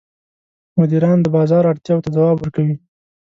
مدیران د بازار اړتیاوو ته ځواب ورکوي.